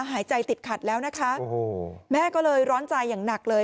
หายใจติดขัดแล้วนะคะแม่ก็เลยร้อนใจอย่างหนักเลย